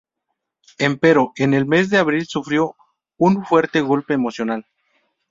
Empero, en el mes de abril sufrió un fuerte golpe emocional.